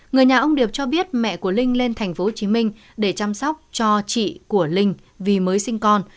người nhà ông điệp cho biết mẹ của linh lên tp hcm để chăm sóc cho chị của linh vì mới sinh con